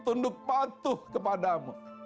tunduk patuh kepadamu